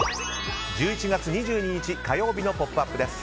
１１月２２日、火曜日の「ポップＵＰ！」です。